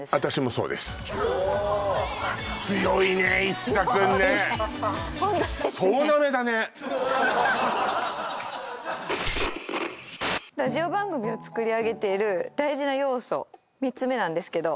そうだ強いねＩＳＳＡくんね強いねラジオ番組を作り上げている大事な要素３つ目なんですけど